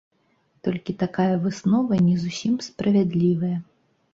Толькі такая выснова не зусім справядлівая.